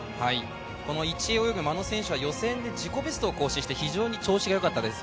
この１泳を泳ぐ眞野選手は自己ベストを出して非常に調子がよかったです。